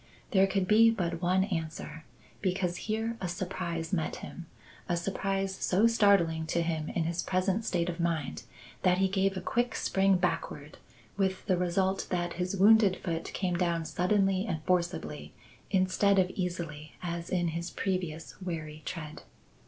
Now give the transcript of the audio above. There could be but one answer: because here a surprise met him a surprise so startling to him in his present state of mind, that he gave a quick spring backward, with the result that his wounded foot came down suddenly and forcibly instead of easily as in his previous wary tread.